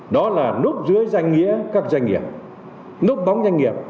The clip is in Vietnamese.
đó là núp dưới danh nghĩa các doanh nghiệp núp bóng doanh nghiệp